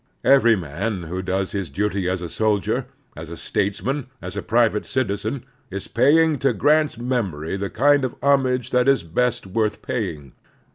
Every man who does his duty as a soldier, as a statesman, or as a private citizen is paying to Grant's memory the kind of homage that is best worth paying.